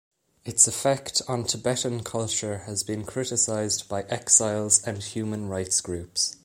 Its effect on Tibetan culture has been criticized by exiles and human rights groups.